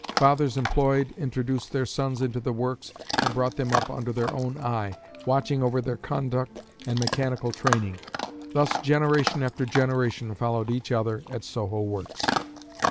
Fathers employed introduced their sons into the works and brought them up under their own eye, watching over their conduct and mechanical training. Thus generation after generation followed each other at Soho works.